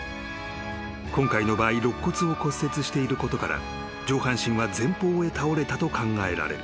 ［今回の場合肋骨を骨折していることから上半身は前方へ倒れたと考えられる］